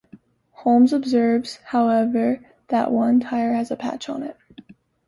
Holmes observes, however, that one tyre has a patch on it.